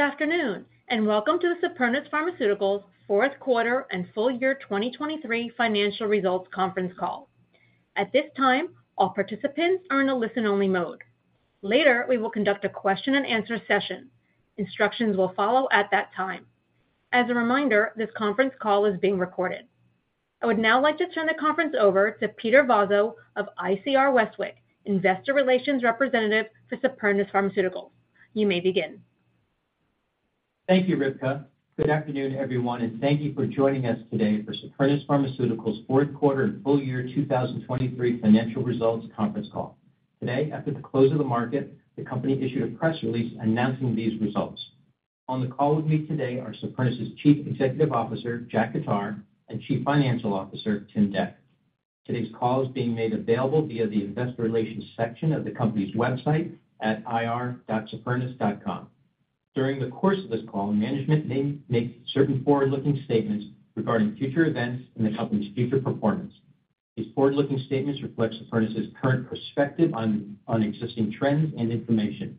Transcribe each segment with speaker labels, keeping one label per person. Speaker 1: Good afternoon and welcome to the Supernus Pharmaceuticals Fourth Quarter and Full Year 2023 Financial Results Conference Call. At this time, all participants are in a listen-only mode. Later we will conduct a question-and-answer session. Instructions will follow at that time. As a reminder, this conference call is being recorded. I would now like to turn the conference over to Peter Vozzo of ICR Westwicke, investor relations representative for Supernus Pharmaceuticals. You may begin.
Speaker 2: Thank you, Rivka. Good afternoon, everyone, and thank you for joining us today for Supernus Pharmaceuticals fourth quarter and full year 2023 financial results conference call. Today, after the close of the market, the company issued a press release announcing these results. On the call with me today are Supernus's Chief Executive Officer, Jack Khattar, and Chief Financial Officer, Tim Dec. Today's call is being made available via the investor relations section of the company's website at ir.supernus.com. During the course of this call, management may make certain forward-looking statements regarding future events and the company's future performance. These forward-looking statements reflect Supernus's current perspective on existing trends and information.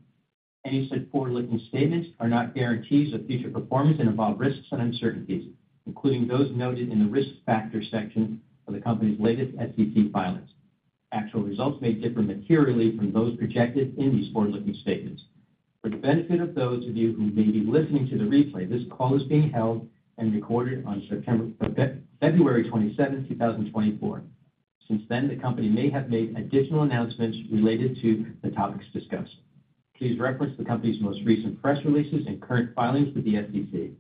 Speaker 2: Any such forward-looking statements are not guarantees of future performance and involve risks and uncertainties, including those noted in the risk factors section of the company's latest SEC filings. Actual results may differ materially from those projected in these forward-looking statements. For the benefit of those of you who may be listening to the replay, this call is being held and recorded on February 27, 2024. Since then, the company may have made additional announcements related to the topics discussed. Please reference the company's most recent press releases and current filings with the SEC.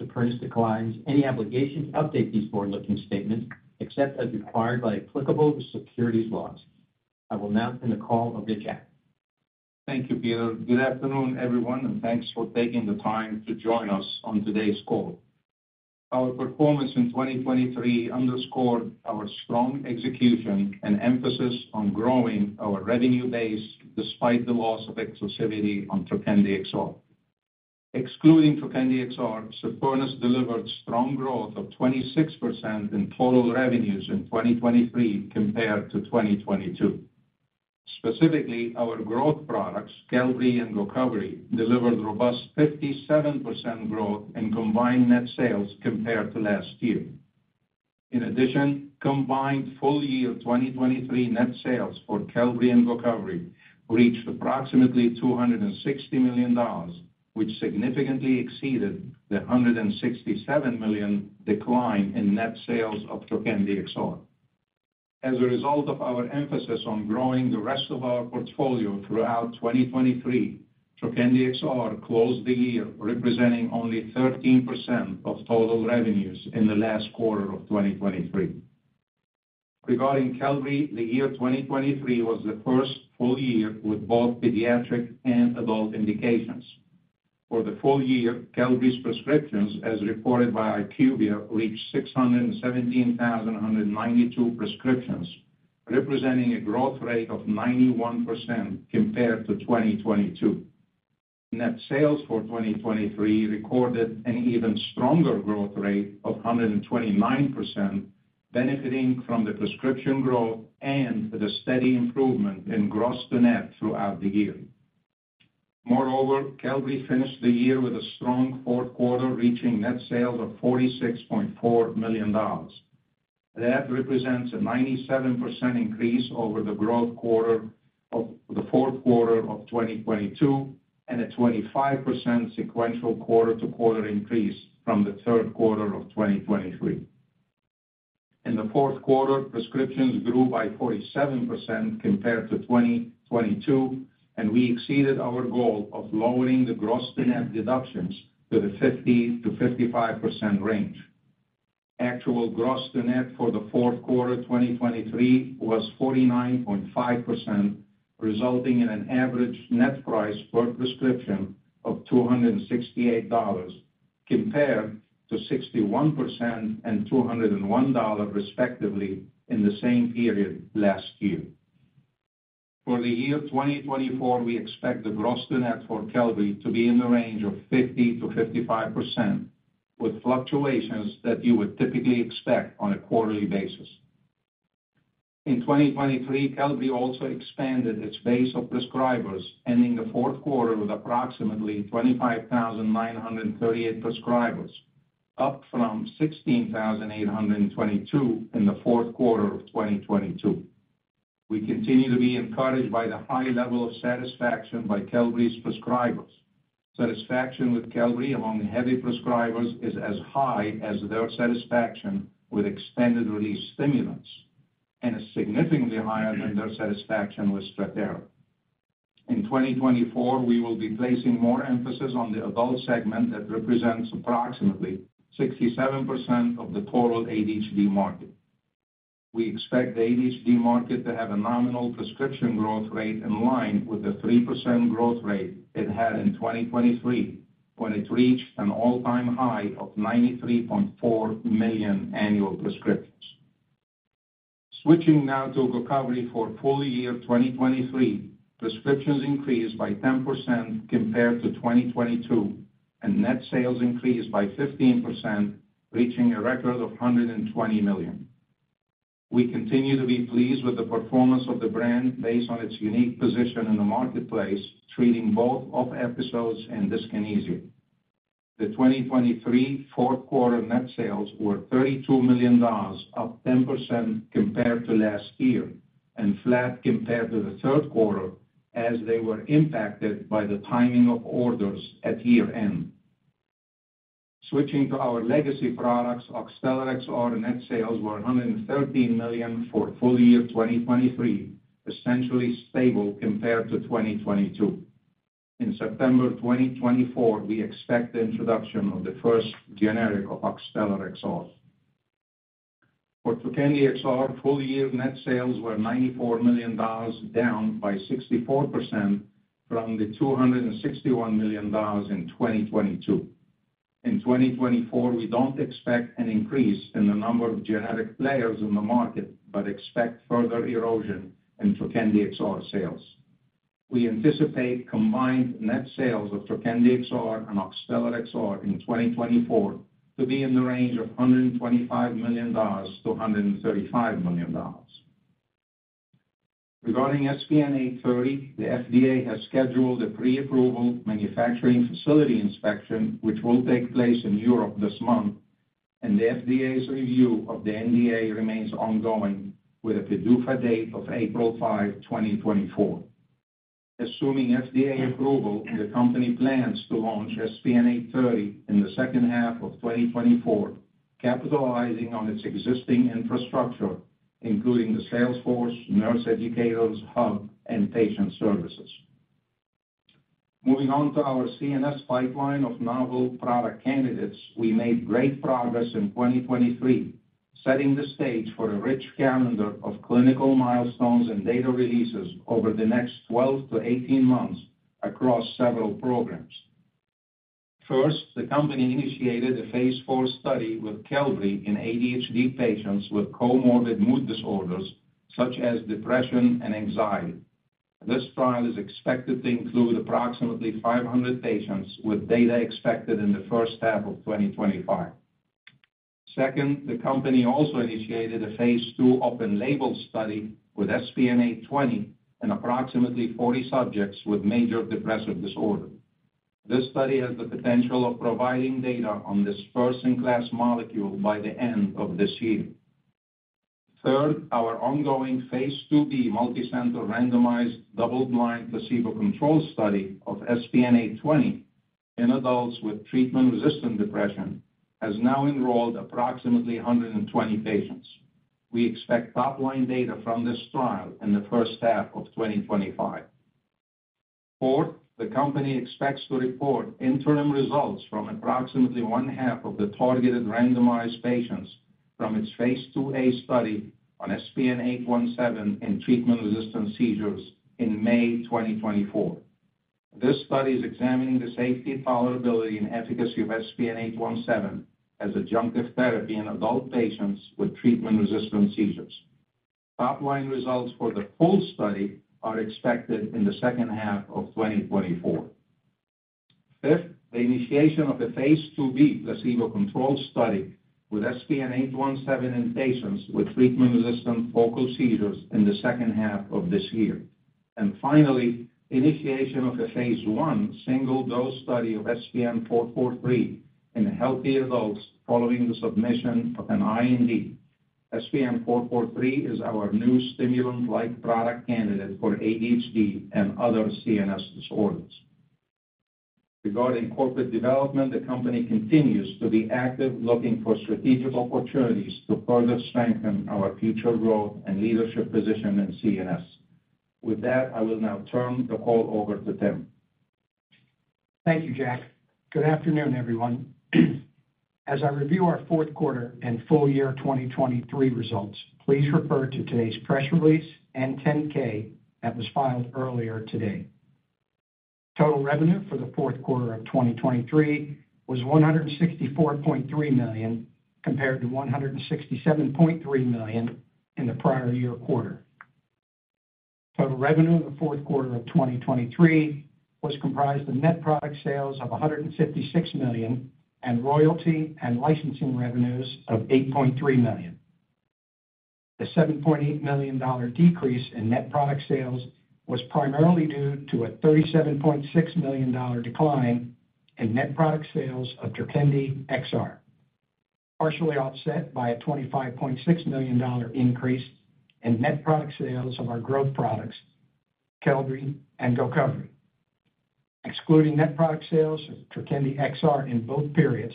Speaker 2: Supernus declines any obligation to update these forward-looking statements except as required by applicable securities laws. I will now turn the call over to Jack.
Speaker 3: Thank you, Peter. Good afternoon, everyone, and thanks for taking the time to join us on today's call. Our performance in 2023 underscored our strong execution and emphasis on growing our revenue base despite the loss of exclusivity on Trokendi XR. Excluding Trokendi XR, Supernus delivered strong growth of 26% in total revenues in 2023 compared to 2022. Specifically, our growth products, Qelbree and GOCOVRI, delivered robust 57% growth in combined net sales compared to last year. In addition, combined full year 2023 net sales for Qelbree and GOCOVRI reached approximately $260 million, which significantly exceeded the $167 million decline in net sales of Trokendi XR. As a result of our emphasis on growing the rest of our portfolio throughout 2023, Trokendi XR closed the year representing only 13% of total revenues in the last quarter of 2023. Regarding Qelbree, the year 2023 was the first full year with both pediatric and adult indications. For the full year, Qelbree's prescriptions, as reported by IQVIA, reached 617,192 prescriptions, representing a growth rate of 91% compared to 2022. Net sales for 2023 recorded an even stronger growth rate of 129%, benefiting from the prescription growth and the steady improvement in gross-to-net throughout the year. Moreover, Qelbree finished the year with a strong fourth quarter reaching net sales of $46.4 million. That represents a 97% increase over the fourth quarter of 2022 and a 25% sequential quarter-to-quarter increase from the third quarter of 2023. In the fourth quarter, prescriptions grew by 47% compared to 2022, and we exceeded our goal of lowering the gross-to-net deductions to the 50%-55% range. Actual gross-to-net for the fourth quarter 2023 was 49.5%, resulting in an average net price per prescription of $268 compared to 61% and $201 respectively in the same period last year. For the year 2024, we expect the gross-to-net for Qelbree to be in the range of 50%-55%, with fluctuations that you would typically expect on a quarterly basis. In 2023, Qelbree also expanded its base of prescribers, ending the fourth quarter with approximately 25,938 prescribers, up from 16,822 in the fourth quarter of 2022. We continue to be encouraged by the high level of satisfaction by Qelbree's prescribers. Satisfaction with Qelbree among heavy prescribers is as high as their satisfaction with extended-release stimulants, and is significantly higher than their satisfaction with Strattera. In 2024, we will be placing more emphasis on the adult segment that represents approximately 67% of the total ADHD market. We expect the ADHD market to have a nominal prescription growth rate in line with the 3% growth rate it had in 2023 when it reached an all-time high of 93.4 million annual prescriptions. Switching now to GOCOVRI for full year 2023, prescriptions increased by 10% compared to 2022, and net sales increased by 15%, reaching a record of $120 million. We continue to be pleased with the performance of the brand based on its unique position in the marketplace, treating both off-episodes and dyskinesia. The 2023 fourth quarter net sales were $32 million, up 10% compared to last year, and flat compared to the third quarter as they were impacted by the timing of orders at year-end. Switching to our legacy products, Oxtellar XR net sales were $113 million for full year 2023, essentially stable compared to 2022. In September 2024, we expect the introduction of the first generic of Oxtellar XR. For Trokendi XR, full year net sales were $94 million, down by 64% from the $261 million in 2022. In 2024, we don't expect an increase in the number of generic players in the market but expect further erosion in Trokendi XR sales. We anticipate combined net sales of Trokendi XR and Oxtellar XR in 2024 to be in the range of $125 million-$135 million. Regarding SPN-830, the FDA has scheduled a pre-approval manufacturing facility inspection, which will take place in Europe this month, and the FDA's review of the NDA remains ongoing with a PDUFA date of April 5, 2024. Assuming FDA approval, the company plans to launch SPN-830 in the second half of 2024, capitalizing on its existing infrastructure, including the sales force, nurse educators, hub, and patient services. Moving on to our CNS pipeline of novel product candidates, we made great progress in 2023, setting the stage for a rich calendar of clinical milestones and data releases over the next 12-18 months across several programs. First, the company initiated a phase IV study with Qelbree in ADHD patients with comorbid mood disorders such as depression and anxiety. This trial is expected to include approximately 500 patients, with data expected in the first half of 2025. Second, the company also initiated a phase II open-label study with SPN-820 and approximately 40 subjects with major depressive disorder. This study has the potential of providing data on this first-in-class molecule by the end of this year. Third, our ongoing phase II-B multicenter randomized double-blind placebo control study of SPN-820 in adults with treatment-resistant depression has now enrolled approximately 120 patients. We expect top-line data from this trial in the first half of 2025. Fourth, the company expects to report interim results from approximately one-half of the targeted randomized patients from its phase II-A study on SPN-817 in treatment-resistant seizures in May 2024. This study is examining the safety, tolerability, and efficacy of SPN-817 as an adjunctive therapy in adult patients with treatment-resistant seizures. Top-line results for the full study are expected in the second half of 2024. Fifth, the initiation of a phase II-B placebo control study with SPN-817 in patients with treatment-resistant focal seizures in the second half of this year. And finally, initiation of a phase I single-dose study of SPN-443 in healthy adults following the submission of an IND. SPN-443 is our new stimulant-like product candidate for ADHD and other CNS disorders. Regarding corporate development, the company continues to be active looking for strategic opportunities to further strengthen our future growth and leadership position in CNS. With that, I will now turn the call over to Tim.
Speaker 4: Thank you, Jack. Good afternoon, everyone. As I review our fourth quarter and full year 2023 results, please refer to today's press release and 10-K that was filed earlier today. Total revenue for the fourth quarter of 2023 was $164.3 million compared to $167.3 million in the prior year quarter. Total revenue in the fourth quarter of 2023 was comprised of net product sales of $156 million and royalty and licensing revenues of $8.3 million. The $7.8 million decrease in net product sales was primarily due to a $37.6 million decline in net product sales of Trokendi XR, partially offset by a $25.6 million increase in net product sales of our growth products, Qelbree and GOCOVRI. Excluding net product sales of Trokendi XR in both periods,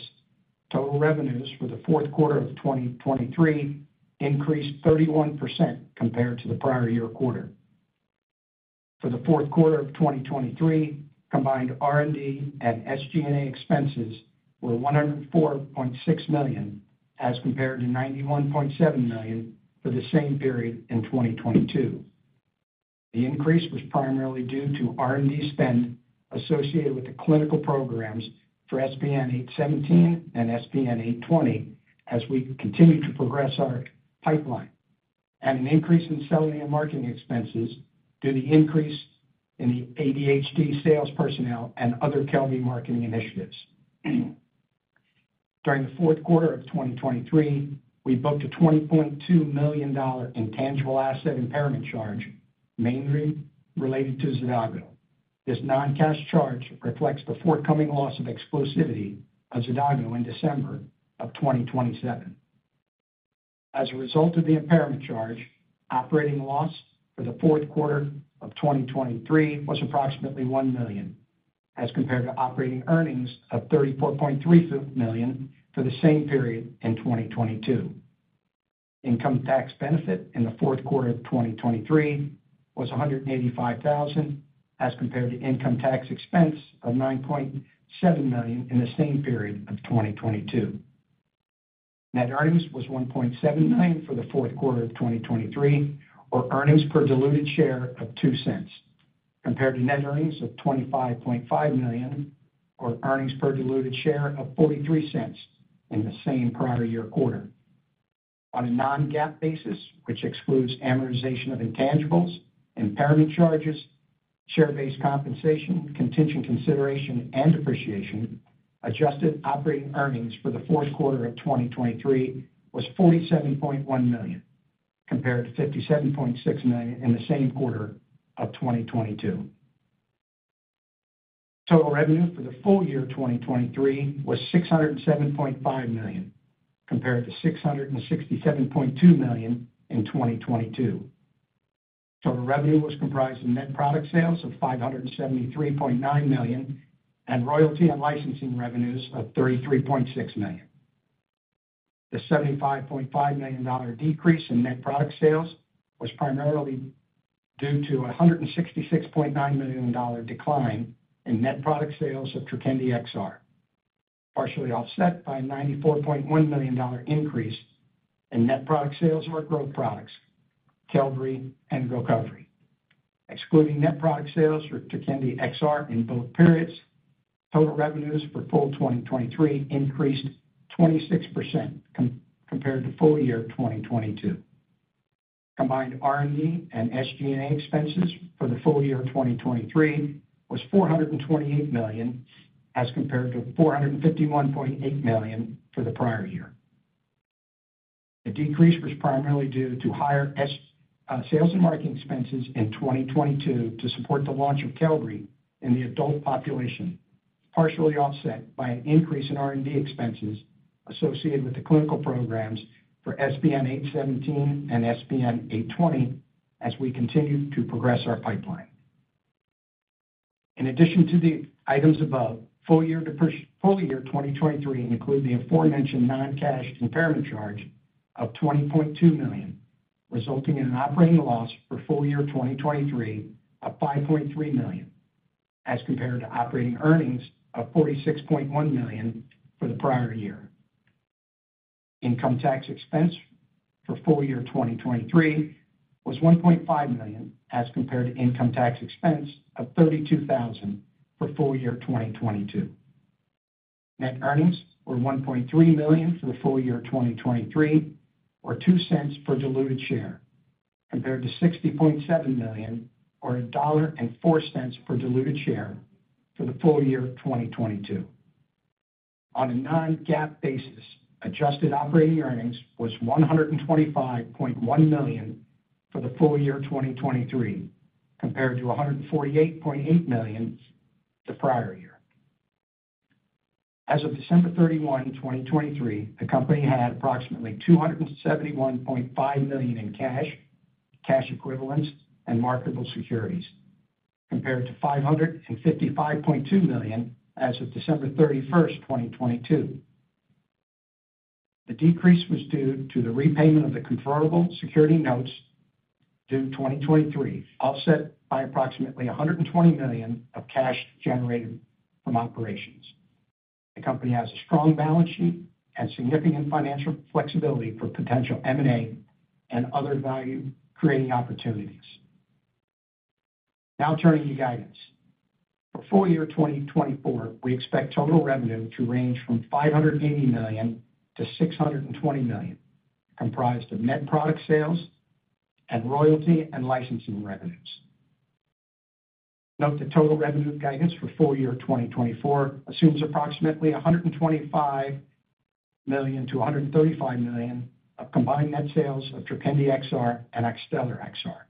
Speaker 4: total revenues for the fourth quarter of 2023 increased 31% compared to the prior year quarter. For the fourth quarter of 2023, combined R&D and SG&A expenses were $104.6 million as compared to $91.7 million for the same period in 2022. The increase was primarily due to R&D spend associated with the clinical programs for SPN-817 and SPN-820 as we continue to progress our pipeline, and an increase in selling and marketing expenses due to the increase in the ADHD sales personnel and other Qelbree marketing initiatives. During the fourth quarter of 2023, we booked a $20.2 million intangible asset impairment charge, mainly related to XADAGO. This non-cash charge reflects the forthcoming loss of exclusivity of XADAGO in December of 2027. As a result of the impairment charge, operating loss for the fourth quarter of 2023 was approximately $1 million as compared to operating earnings of $34.3 million for the same period in 2022. Income tax benefit in the fourth quarter of 2023 was $185,000 as compared to income tax expense of $9.7 million in the same period of 2022. Net earnings was $1.7 million for the fourth quarter of 2023, or earnings per diluted share of $0.02, compared to net earnings of $25.5 million or earnings per diluted share of $0.43 in the same prior year quarter. On a non-GAAP basis, which excludes amortization of intangibles, impairment charges, share-based compensation, contingent consideration, and depreciation, adjusted operating earnings for the fourth quarter of 2023 was $47.1 million compared to $57.6 million in the same quarter of 2022. Total revenue for the full year 2023 was $607.5 million compared to $667.2 million in 2022. Total revenue was comprised of net product sales of $573.9 million and royalty and licensing revenues of $33.6 million. The $75.5 million decrease in net product sales was primarily due to a $166.9 million decline in net product sales of Trokendi XR, partially offset by a $94.1 million increase in net product sales of our growth products, Qelbree and GOCOVRI. Excluding net product sales for Trokendi XR in both periods, total revenues for full 2023 increased 26% compared to full year 2022. Combined R&D and SG&A expenses for the full year 2023 was $428 million as compared to $451.8 million for the prior year. The decrease was primarily due to higher sales and marketing expenses in 2022 to support the launch of Qelbree in the adult population, partially offset by an increase in R&D expenses associated with the clinical programs for SPN-817 and SPN-820 as we continue to progress our pipeline. In addition to the items above, full year 2023 included the aforementioned non-cash impairment charge of $20.2 million, resulting in an operating loss for full year 2023 of $5.3 million as compared to operating earnings of $46.1 million for the prior year. Income tax expense for full year 2023 was $1.5 million as compared to income tax expense of $32,000 for full year 2022. Net earnings were $1.3 million for the full year 2023 or $0.02 per diluted share compared to $60.7 million or $1.04 per diluted share for the full year 2022. On a non-GAAP basis, adjusted operating earnings was $125.1 million for the full year 2023 compared to $148.8 million the prior year. As of December 31, 2023, the company had approximately $271.5 million in cash, cash equivalents, and marketable securities compared to $555.2 million as of December 31, 2022. The decrease was due to the repayment of the convertible senior notes due 2023, offset by approximately $120 million of cash generated from operations. The company has a strong balance sheet and significant financial flexibility for potential M&A and other value-creating opportunities. Now turning to guidance. For full year 2024, we expect total revenue to range from $580 million-$620 million, comprised of net product sales and royalty and licensing revenues. Note that total revenue guidance for full year 2024 assumes approximately $125 million-$135 million of combined net sales of Trokendi XR and Oxtellar XR.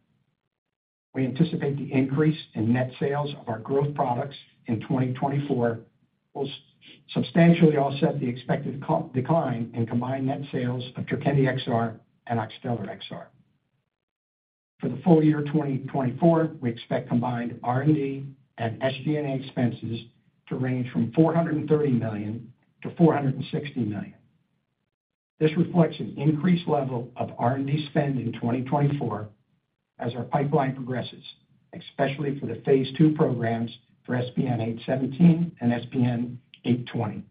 Speaker 4: We anticipate the increase in net sales of our growth products in 2024 will substantially offset the expected decline in combined net sales of Trokendi XR and Oxtellar XR. For the full year 2024, we expect combined R&D and SG&A expenses to range from $430 million-$460 million. This reflects an increased level of R&D spend in 2024 as our pipeline progresses, especially for the phase II programs for SPN-817 and SPN-820.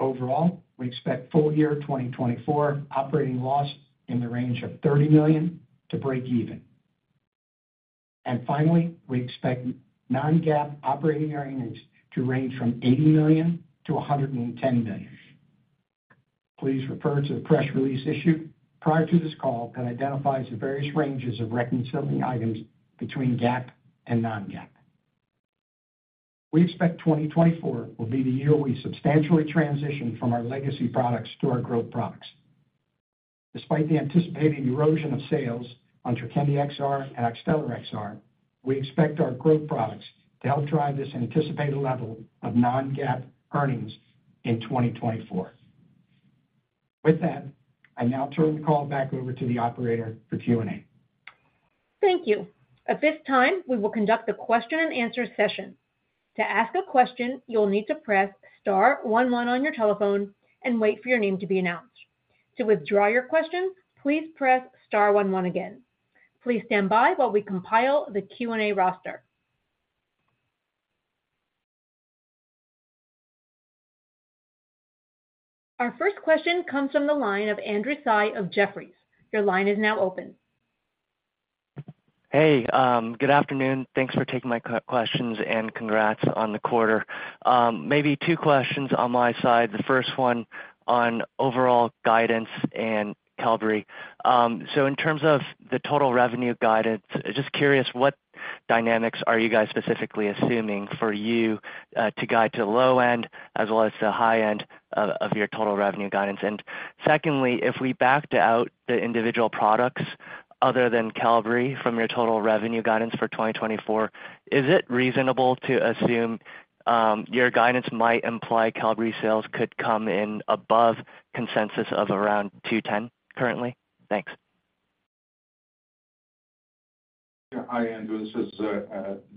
Speaker 4: Overall, we expect full year 2024 operating loss in the range of $30 million to break even. And finally, we expect non-GAAP operating earnings to range from $80 million-$110 million. Please refer to the press release issued prior to this call that identifies the various ranges of reconciling items between GAAP and non-GAAP. We expect 2024 will be the year we substantially transition from our legacy products to our growth products. Despite the anticipated erosion of sales on Trokendi XR and Oxtellar XR, we expect our growth products to help drive this anticipated level of non-GAAP earnings in 2024. With that, I now turn the call back over to the operator for Q&A.
Speaker 1: Thank you. At this time, we will conduct a question-and-answer session. To ask a question, you'll need to press star one one on your telephone and wait for your name to be announced. To withdraw your question, please press star one one again. Please stand by while we compile the Q&A roster. Our first question comes from the line of Andrew Tsai of Jefferies. Your line is now open.
Speaker 5: Hey. Good afternoon. Thanks for taking my questions and congrats on the quarter. Maybe two questions on my side. The first one on overall guidance and Qelbree. So in terms of the total revenue guidance, just curious, what dynamics are you guys specifically assuming for you to guide to the low end as well as the high end of your total revenue guidance? And secondly, if we backed out the individual products other than Qelbree from your total revenue guidance for 2024, is it reasonable to assume your guidance might imply Qelbree sales could come in above consensus of around $210 currently? Thanks.
Speaker 3: Yeah. Hi, Andrew. This is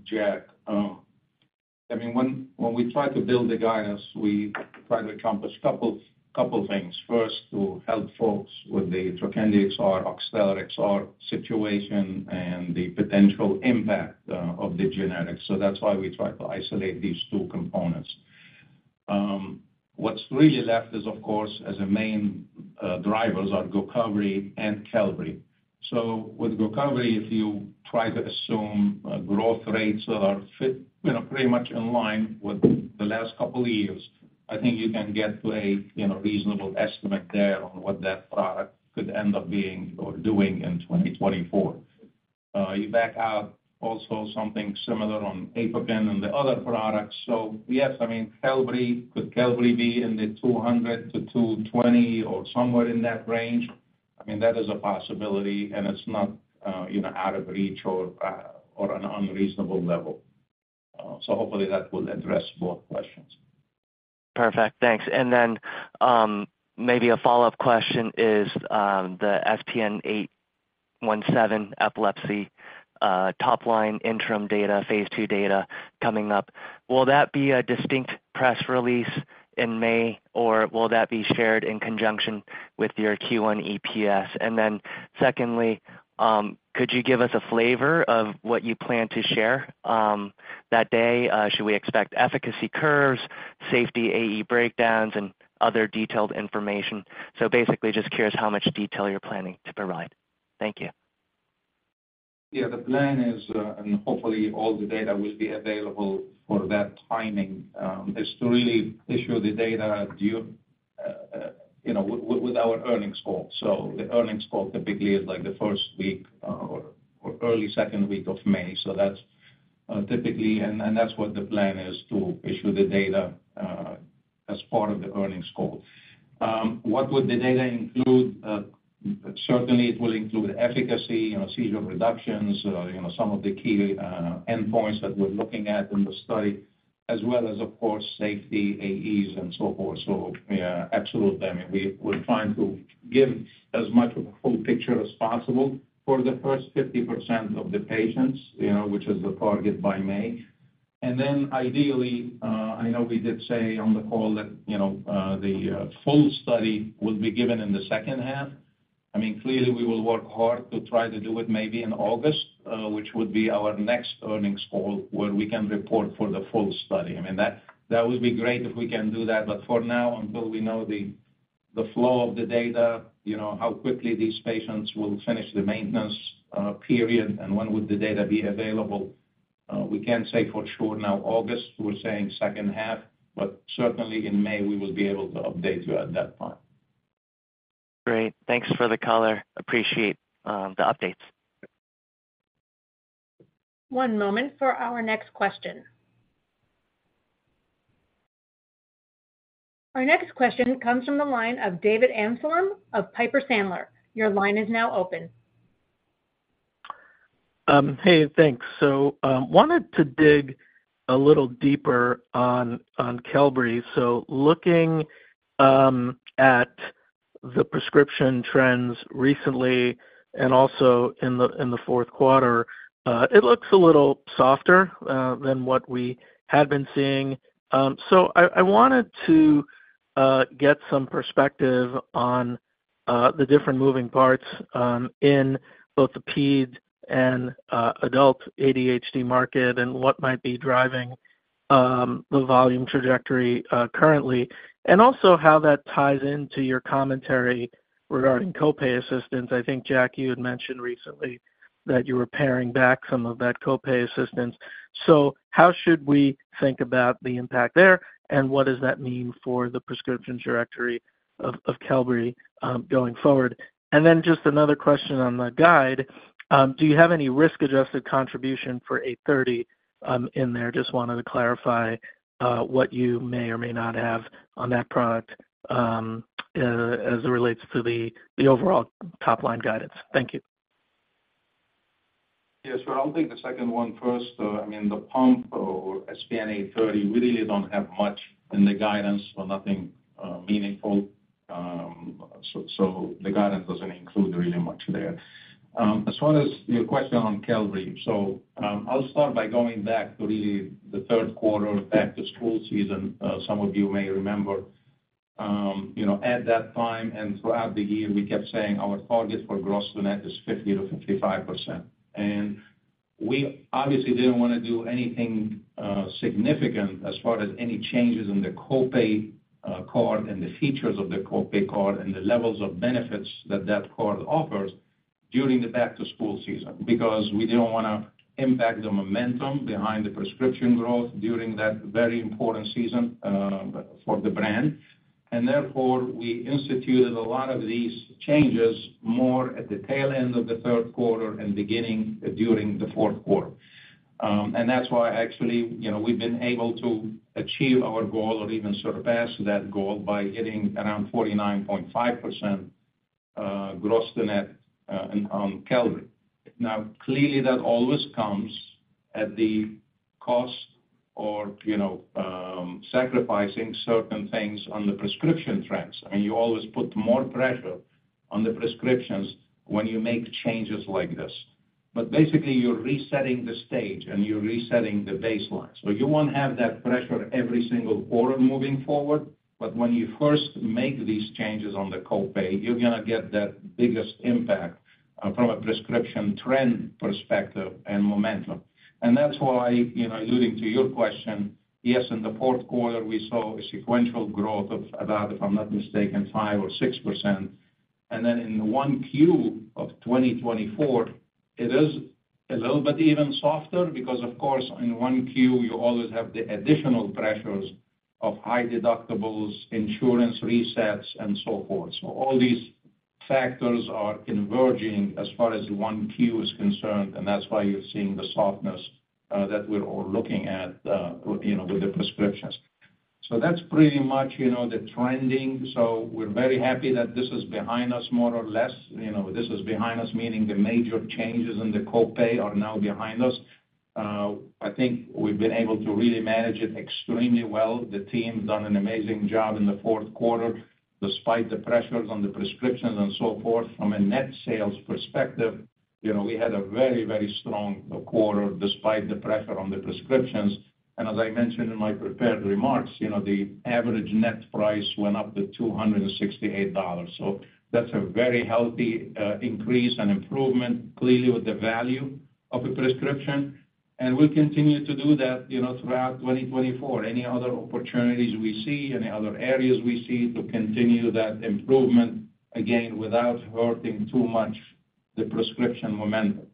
Speaker 3: Jack. I mean, when we try to build the guidance, we try to accomplish a couple of things. First, to help folks with the Trokendi XR, Oxtellar XR situation, and the potential impact of the generics. So that's why we try to isolate these two components. What's really left is, of course, as main drivers are GOCOVRI and Qelbree. So with GOCOVRI, if you try to assume growth rates that are pretty much in line with the last couple of years, I think you can get to a reasonable estimate there on what that product could end up being or doing in 2024. You back out also something similar on APOKYN and the other products. So yes, I mean, could Qelbree be in the $200 million-$220 million or somewhere in that range? I mean, that is a possibility, and it's not out of reach or an unreasonable level. So hopefully, that will address both questions.
Speaker 5: Perfect. Thanks. And then maybe a follow-up question is the SPN-817 epilepsy topline interim data, phase II data coming up. Will that be a distinct press release in May, or will that be shared in conjunction with your Q1 EPS? And then secondly, could you give us a flavor of what you plan to share that day? Should we expect efficacy curves, safety AE breakdowns, and other detailed information? So basically, just curious how much detail you're planning to provide. Thank you.
Speaker 3: Yeah. The plan is, and hopefully, all the data will be available for that timing, is to really issue the data with our earnings call. So the earnings call typically is the first week or early second week of May. So that's typically, and that's what the plan is, to issue the data as part of the earnings call. What would the data include? Certainly, it will include efficacy, seizure reductions, some of the key endpoints that we're looking at in the study, as well as, of course, safety, AEs, and so forth. So absolutely. I mean, we're trying to give as much of a full picture as possible for the first 50% of the patients, which is the target by May. And then ideally, I know we did say on the call that the full study will be given in the second half. I mean, clearly, we will work hard to try to do it maybe in August, which would be our next earnings call where we can report for the full study. I mean, that would be great if we can do that. But for now, until we know the flow of the data, how quickly these patients will finish the maintenance period, and when would the data be available, we can't say for sure now August. We're saying second half. But certainly, in May, we will be able to update you at that time.
Speaker 5: Great. Thanks for the color. Appreciate the updates.
Speaker 1: One moment for our next question. Our next question comes from the line of David Amsellem of Piper Sandler. Your line is now open.
Speaker 6: Hey. Thanks. So wanted to dig a little deeper on Qelbree. So looking at the prescription trends recently and also in the fourth quarter, it looks a little softer than what we had been seeing. So I wanted to get some perspective on the different moving parts in both the peds and adult ADHD market and what might be driving the volume trajectory currently, and also how that ties into your commentary regarding copay assistance. I think, Jack, you had mentioned recently that you were paring back some of that copay assistance. So how should we think about the impact there, and what does that mean for the prescription trajectory of Qelbree going forward? And then just another question on the guide. Do you have any risk-adjusted contribution for SPN-830 in there? Just wanted to clarify what you may or may not have on that product as it relates to the overall topline guidance. Thank you.
Speaker 3: Yes. Well, I'll take the second one first. I mean, the pump or SPN-830, we really don't have much in the guidance or nothing meaningful. So the guidance doesn't include really much there. As far as your question on Qelbree, so I'll start by going back to really the third quarter, back-to-school season, some of you may remember. At that time and throughout the year, we kept saying our target for gross-to-net is 50%-55%. And we obviously didn't want to do anything significant as far as any changes in the copay card and the features of the copay card and the levels of benefits that that card offers during the back-to-school season because we didn't want to impact the momentum behind the prescription growth during that very important season for the brand. And therefore, we instituted a lot of these changes more at the tail end of the third quarter and beginning during the fourth quarter. And that's why actually, we've been able to achieve our goal or even surpass that goal by hitting around 49.5% gross-to-net on Qelbree. Now, clearly, that always comes at the cost or sacrificing certain things on the prescription trends. I mean, you always put more pressure on the prescriptions when you make changes like this. But basically, you're resetting the stage, and you're resetting the baseline. So you won't have that pressure every single quarter moving forward. But when you first make these changes on the copay, you're going to get that biggest impact from a prescription trend perspective and momentum. That's why, alluding to your question, yes, in the fourth quarter, we saw a sequential growth of about, if I'm not mistaken, 5% or 6%. Then in the 1Q of 2024, it is a little bit even softer because, of course, in 1Q, you always have the additional pressures of high deductibles, insurance resets, and so forth. So all these factors are converging as far as 1Q is concerned. That's why you're seeing the softness that we're all looking at with the prescriptions. So that's pretty much the trending. We're very happy that this is behind us more or less. This is behind us, meaning the major changes in the copay are now behind us. I think we've been able to really manage it extremely well. The team's done an amazing job in the fourth quarter despite the pressures on the prescriptions and so forth. From a net sales perspective, we had a very, very strong quarter despite the pressure on the prescriptions. As I mentioned in my prepared remarks, the average net price went up to $268. That's a very healthy increase and improvement, clearly, with the value of a prescription. And we'll continue to do that throughout 2024, any other opportunities we see, any other areas we see to continue that improvement again without hurting too much the prescription momentum.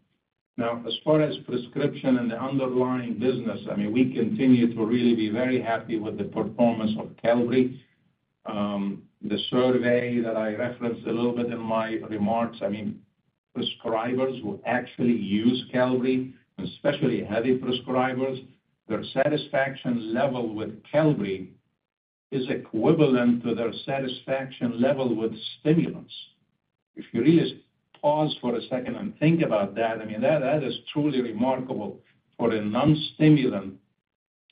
Speaker 3: Now, as far as prescription and the underlying business, I mean, we continue to really be very happy with the performance of Qelbree. The survey that I referenced a little bit in my remarks, I mean, prescribers who actually use Qelbree, especially heavy prescribers, their satisfaction level with Qelbree is equivalent to their satisfaction level with stimulants. If you really pause for a second and think about that, I mean, that is truly remarkable for a non-stimulant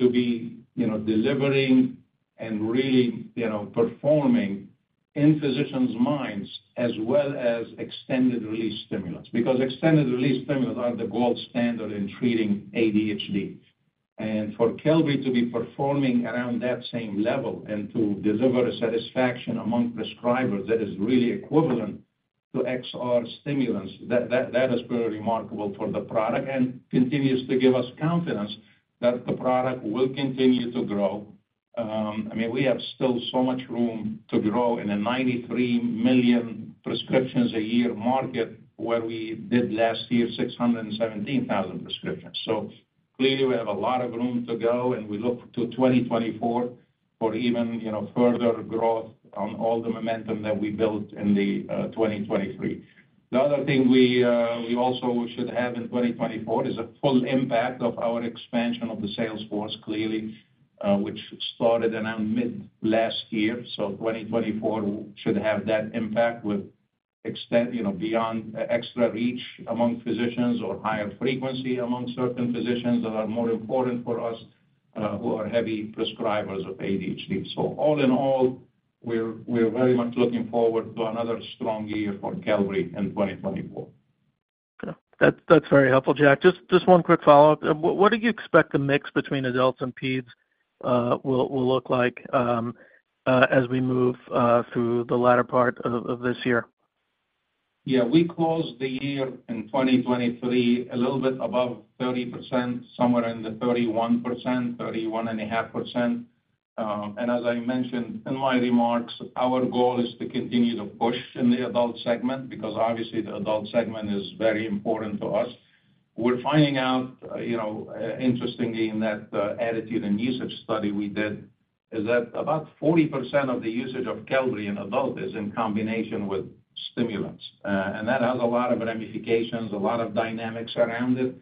Speaker 3: to be delivering and really performing in physicians' minds as well as extended-release stimulants because extended-release stimulants are the gold standard in treating ADHD. For Qelbree to be performing around that same level and to deliver a satisfaction among prescribers that is really equivalent to XR stimulants, that is very remarkable for the product and continues to give us confidence that the product will continue to grow. I mean, we have still so much room to grow in a 93 million prescriptions a year market where we did last year 617,000 prescriptions. So clearly, we have a lot of room to go, and we look to 2024 for even further growth on all the momentum that we built in 2023. The other thing we also should have in 2024 is a full impact of our expansion of the sales force, clearly, which started around mid-last year. So 2024 should have that impact beyond extra reach among physicians or higher frequency among certain physicians that are more important for us who are heavy prescribers of ADHD. So all in all, we're very much looking forward to another strong year for Qelbree in 2024.
Speaker 6: That's very helpful, Jack. Just one quick follow-up. What do you expect the mix between adults and peds will look like as we move through the latter part of this year?
Speaker 3: Yeah. We closed the year in 2023 a little bit above 30%, somewhere in the 31%, 31.5%. And as I mentioned in my remarks, our goal is to continue to push in the adult segment because obviously, the adult segment is very important to us. We're finding out, interestingly, in that attitude and usage study we did is that about 40% of the usage of Qelbree in adults is in combination with stimulants. And that has a lot of ramifications, a lot of dynamics around it.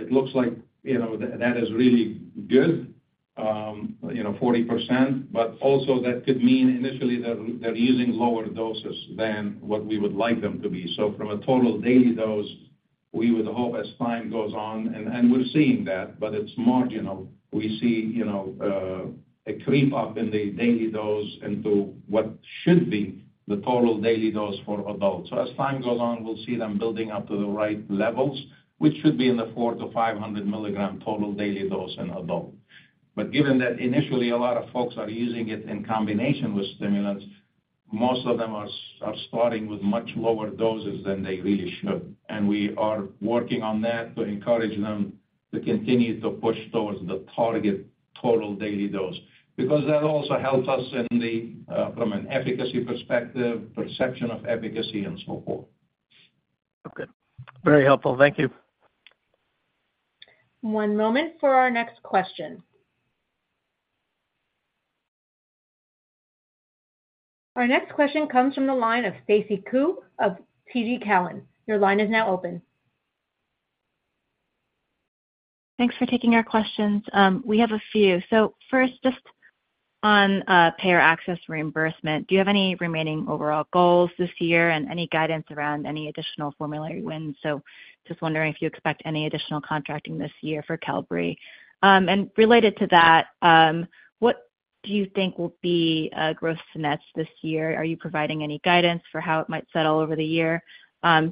Speaker 3: It looks like that is really good, 40%. But also, that could mean initially, they're using lower doses than what we would like them to be. So from a total daily dose, we would hope as time goes on and we're seeing that, but it's marginal. We see a creep up in the daily dose into what should be the total daily dose for adults. So as time goes on, we'll see them building up to the right levels, which should be in the 400-500 mg total daily dose in adults. But given that initially, a lot of folks are using it in combination with stimulants, most of them are starting with much lower doses than they really should. And we are working on that to encourage them to continue to push towards the target total daily dose because that also helps us from an efficacy perspective, perception of efficacy, and so forth.
Speaker 6: Okay. Very helpful. Thank you.
Speaker 1: One moment for our next question. Our next question comes from the line of Stacy Ku of TD Cowen. Your line is now open.
Speaker 7: Thanks for taking our questions. We have a few. So first, just on payer access reimbursement, do you have any remaining overall goals this year and any guidance around any additional formulary wins? So just wondering if you expect any additional contracting this year for Qelbree. And related to that, what do you think will be gross-to-net this year? Are you providing any guidance for how it might settle over the year?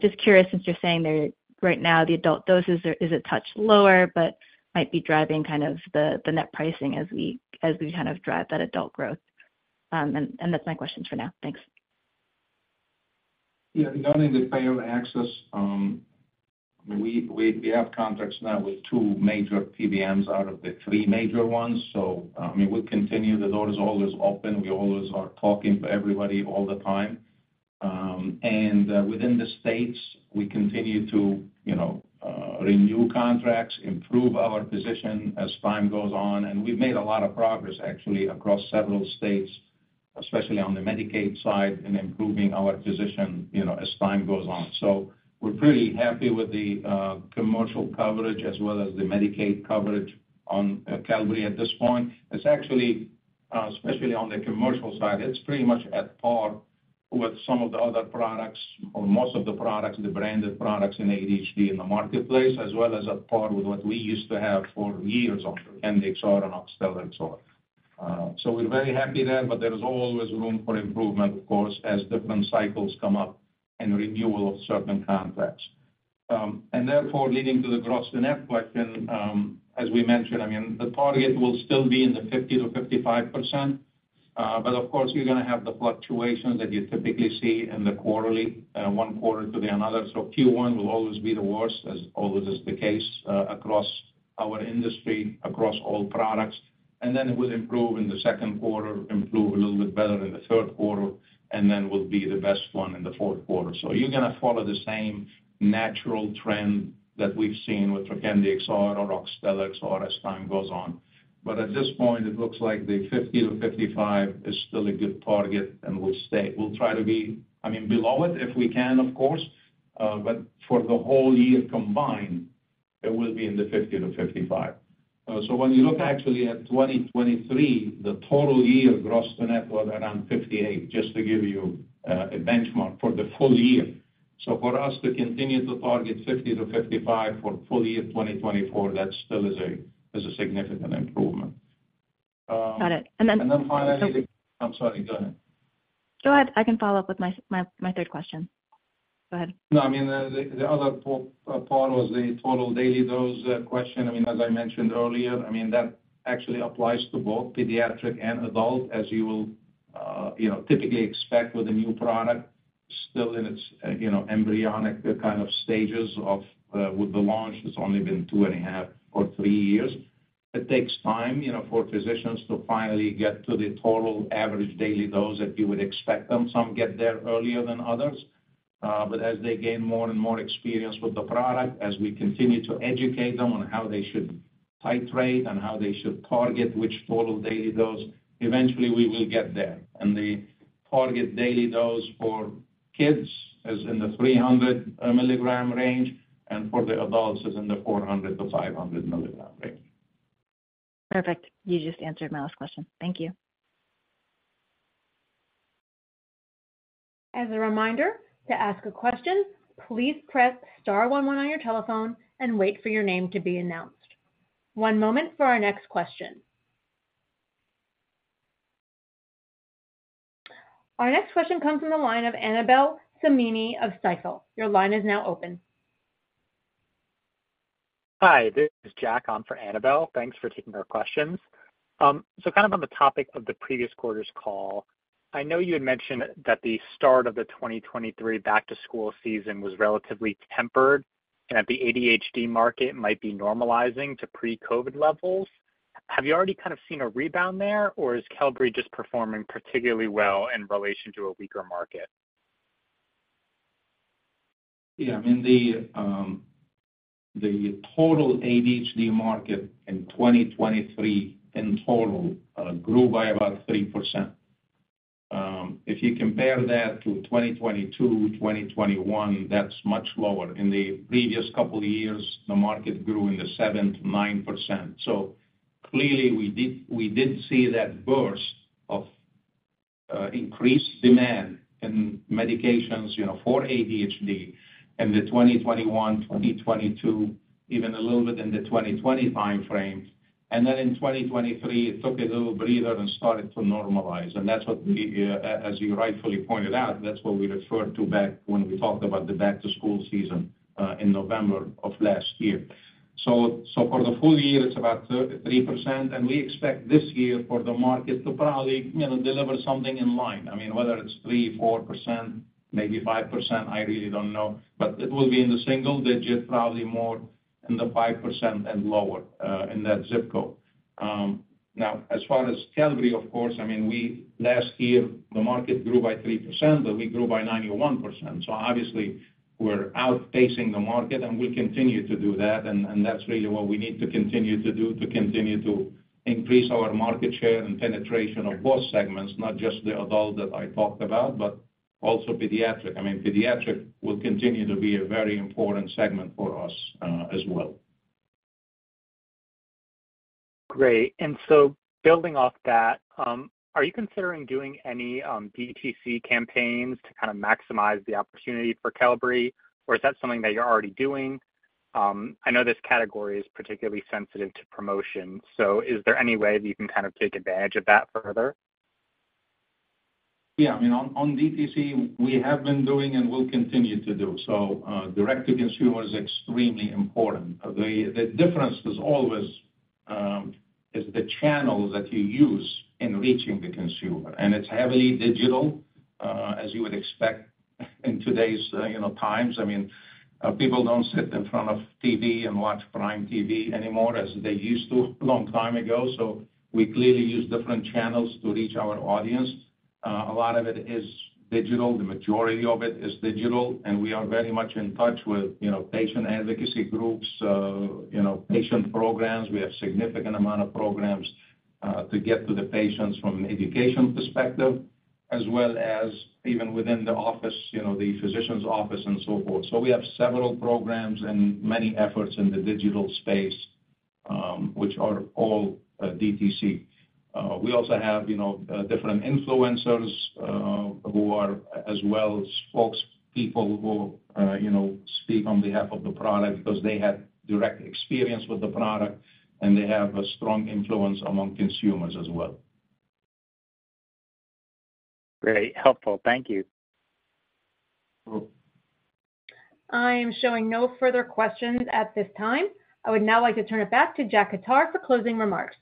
Speaker 7: Just curious, since you're saying right now, the adult dose is a touch lower but might be driving kind of the net pricing as we kind of drive that adult growth? And that's my questions for now. Thanks.
Speaker 3: Yeah. Regarding the payer access, I mean, we have contracts now with two major PBMs out of the three major ones. So I mean, we continue, the door is always open. We always are talking to everybody all the time. And within the states, we continue to renew contracts, improve our position as time goes on. And we've made a lot of progress, actually, across several states, especially on the Medicaid side in improving our position as time goes on. So we're pretty happy with the commercial coverage as well as the Medicaid coverage on Qelbree at this point. Especially on the commercial side, it's pretty much at par with some of the other products or most of the products, the branded products in ADHD in the marketplace, as well as at par with what we used to have for years on Trokendi XR or Oxtellar XR. So we're very happy there. But there is always room for improvement, of course, as different cycles come up and renewal of certain contracts. And therefore, leading to the gross-to-net question, as we mentioned, I mean, the target will still be in the 50%-55%. But of course, you're going to have the fluctuations that you typically see in the quarterly, one quarter to the another. So Q1 will always be the worst, as always is the case, across our industry, across all products. And then it will improve in the second quarter, improve a little bit better in the third quarter, and then will be the best one in the fourth quarter. So you're going to follow the same natural trend that we've seen with Trokendi XR or Oxtellar XR as time goes on. But at this point, it looks like the 50%-55% is still a good target, and we'll try to be, I mean, below it if we can, of course. But for the whole year combined, it will be in the 50%-55%. So when you look actually at 2023, the total year Gross-to-Net was around 58%, just to give you a benchmark for the full year. So for us to continue to target 50%-55% for full year 2024, that still is a significant improvement.
Speaker 7: Got it. And then.
Speaker 3: And then finally. I'm sorry. Go ahead.
Speaker 7: Go ahead. I can follow up with my third question. Go ahead.
Speaker 3: No. I mean, the other part was the total daily dose question. I mean, as I mentioned earlier, I mean, that actually applies to both pediatric and adult, as you will typically expect with a new product, still in its embryonic kind of stages with the launch. It's only been 2.5 or 3 years. It takes time for physicians to finally get to the total average daily dose that you would expect them. Some get there earlier than others. But as they gain more and more experience with the product, as we continue to educate them on how they should titrate and how they should target which total daily dose, eventually, we will get there. And the target daily dose for kids is in the 300 mg range, and for the adults, it's in the 400-500 mg range.
Speaker 7: Perfect. You just answered my last question. Thank you.
Speaker 1: As a reminder, to ask a question, please press star 11 on your telephone and wait for your name to be announced. One moment for our next question. Our next question comes from the line of Annabel Samimy of Stifel. Your line is now open.
Speaker 8: Hi. This is Jack on for Annabel. Thanks for taking our questions. So kind of on the topic of the previous quarter's call, I know you had mentioned that the start of the 2023 back-to-school season was relatively tempered and that the ADHD market might be normalizing to pre-COVID levels. Have you already kind of seen a rebound there, or is Qelbree just performing particularly well in relation to a weaker market?
Speaker 3: Yeah. I mean, the total ADHD market in 2023 in total grew by about 3%. If you compare that to 2022, 2021, that's much lower. In the previous couple of years, the market grew in the 7%-9%. So clearly, we did see that burst of increased demand in medications for ADHD in the 2021, 2022, even a little bit in the 2020 timeframe. And then in 2023, it took a little breather and started to normalize. And that's what, as you rightfully pointed out, that's what we referred to back when we talked about the back-to-school season in November of last year. So for the full year, it's about 3%. And we expect this year for the market to probably deliver something in line. I mean, whether it's 3%, 4%, maybe 5%, I really don't know. But it will be in the single digit, probably more in the 5% and lower in that zip code. Now, as far as Qelbree, of course, I mean, last year, the market grew by 3%, but we grew by 91%. So obviously, we're outpacing the market, and we'll continue to do that. And that's really what we need to continue to do to continue to increase our market share and penetration of both segments, not just the adult that I talked about, but also pediatric. I mean, pediatric will continue to be a very important segment for us as well.
Speaker 8: Great. So building off that, are you considering doing any DTC campaigns to kind of maximize the opportunity for Qelbree, or is that something that you're already doing? I know this category is particularly sensitive to promotion. So is there any way that you can kind of take advantage of that further?
Speaker 3: Yeah. I mean, on DTC, we have been doing and will continue to do. So direct-to-consumer is extremely important. The difference is always the channels that you use in reaching the consumer. And it's heavily digital, as you would expect in today's times. I mean, people don't sit in front of TV and watch Prime TV anymore as they used to a long time ago. So we clearly use different channels to reach our audience. A lot of it is digital. The majority of it is digital. And we are very much in touch with patient advocacy groups, patient programs. We have a significant amount of programs to get to the patients from an education perspective, as well as even within the office, the physician's office, and so forth. So we have several programs and many efforts in the digital space, which are all DTC. We also have different influencers who are as well as folks, people who speak on behalf of the product because they have direct experience with the product, and they have a strong influence among consumers as well.
Speaker 8: Great. Helpful. Thank you.
Speaker 1: I am showing no further questions at this time. I would now like to turn it back to Jack Khattar for closing remarks.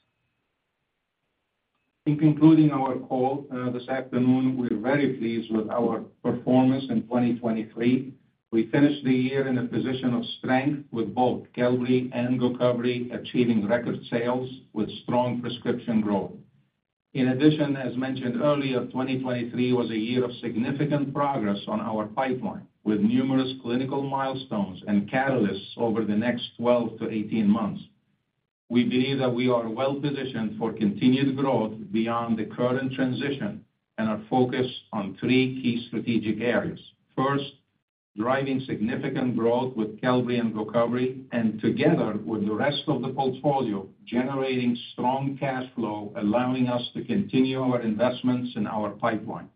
Speaker 3: In concluding our call this afternoon, we're very pleased with our performance in 2023. We finished the year in a position of strength with both Qelbree and GOCOVRI achieving record sales with strong prescription growth. In addition, as mentioned earlier, 2023 was a year of significant progress on our pipeline with numerous clinical milestones and catalysts over the next 12-18 months. We believe that we are well-positioned for continued growth beyond the current transition and are focused on three key strategic areas. First, driving significant growth with Qelbree and GOCOVRI, and together with the rest of the portfolio, generating strong cash flow, allowing us to continue our investments in our pipeline.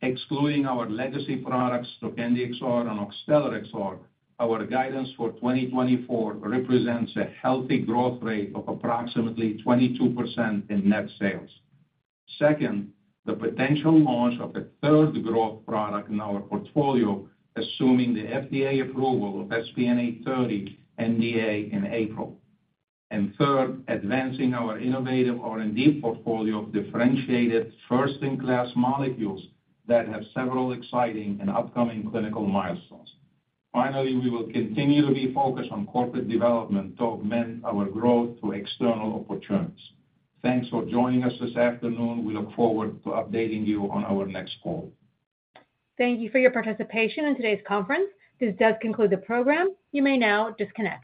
Speaker 3: Excluding our legacy products, Trokendi XR and Oxtellar XR, our guidance for 2024 represents a healthy growth rate of approximately 22% in net sales. Second, the potential launch of a third growth product in our portfolio, assuming the FDA approval of SPN-830 NDA in April. And third, advancing our innovative R&D portfolio of differentiated first-in-class molecules that have several exciting and upcoming clinical milestones. Finally, we will continue to be focused on corporate development to augment our growth to external opportunities. Thanks for joining us this afternoon. We look forward to updating you on our next call.
Speaker 1: Thank you for your participation in today's conference. This does conclude the program. You may now disconnect.